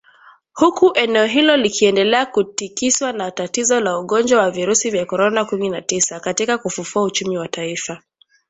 Huku eneo hilo likiendelea kutikiswa na tatizo la ugonjwa wa virusi vya Korona kumi na tisa katika kufufua uchumi wa taifa